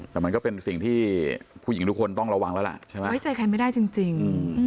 แต่มันก็เป็นสิ่งที่ผู้หญิงทุกคนต้องระวังแล้วล่ะใช่ไหมไว้ใจใครไม่ได้จริง